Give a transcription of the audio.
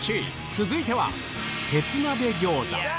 続いては、鉄鍋餃子。